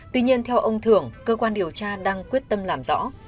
tuy nhiên theo ông thưởng cơ quan điều tra đang quyết tâm làm rõ